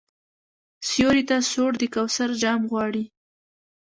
سیوري ته سوړ د کوثر جام غواړي